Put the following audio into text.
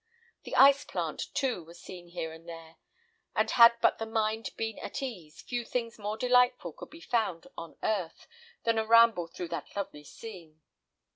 The ice plant, too, was seen here and there; and had but the mind been at ease, few things more delightful could be found on earth than a ramble through that lovely scene.